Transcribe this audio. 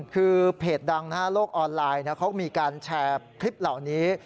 คือเพจดังโลกออนไลน์เขามีการแชร์คลิปเหล่านี้